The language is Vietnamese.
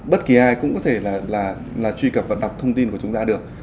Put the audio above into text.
bất kỳ ai cũng có thể là truy cập và đọc thông tin của chúng ta được